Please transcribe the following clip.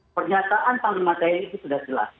pernyataan pak limandai itu sudah jelas